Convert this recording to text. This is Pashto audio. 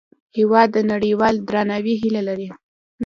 هېواد د نړیوال درناوي هیله لري.